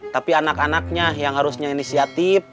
tapi anak anaknya yang harusnya inisiatif